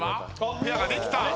ペアができた。